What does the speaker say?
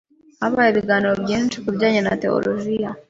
habaye ibiganiro byinshi ku bijyanye na tewolojiya